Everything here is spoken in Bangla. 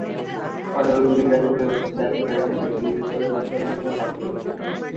ফলে বিজেপির রাজ্যে পরিবর্তনের ডাক বুমেরাং হয়ে দিল্লির পরিবর্তনের ডাক হয়ে উঠেছে।